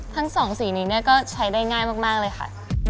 ทั้งสองสีนี้ก็ใช้ได้ง่ายมากเลยค่ะ